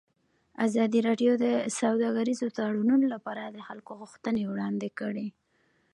ازادي راډیو د سوداګریز تړونونه لپاره د خلکو غوښتنې وړاندې کړي.